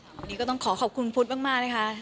วันนี้ก็ต้องขอขอบคุณพุทธมากนะคะ